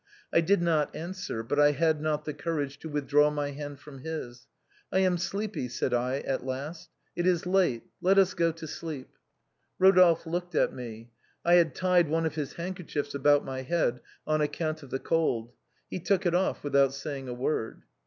I did not answer, but I had not the courage to withdraw my hand from his. ' I am sleepy,' said I at last, 'it is late, let us go to sleep.' Eodolphe looked at me, I had tied one of his handkerchiefs about my head on account of the cold ; he took it off without saying a word.